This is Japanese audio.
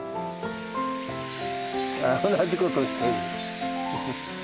同じことをしてる。